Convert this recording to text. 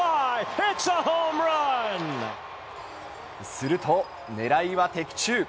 すると、ねらいは的中。